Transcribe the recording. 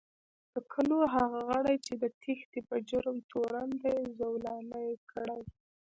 د کلو هغه غړي چې د تېښتې په جرم تورن دي، زولانه کړي